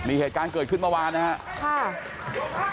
นี่เหตุการณ์เกิดขึ้นเมื่อวานนะครับ